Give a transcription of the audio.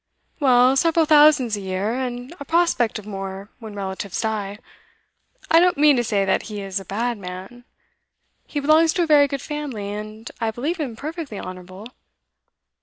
'Well, several thousands a year, and a prospect of more when relatives die. I don't mean to say that he is a bad man. He belongs to a very good family, and I believe him perfectly honourable.